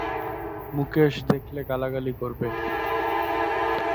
মুকেশ দেখলে গালাগালি করবে।